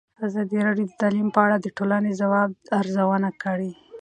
ازادي راډیو د تعلیم په اړه د ټولنې د ځواب ارزونه کړې.